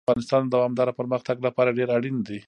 رسوب د افغانستان د دوامداره پرمختګ لپاره ډېر اړین دي.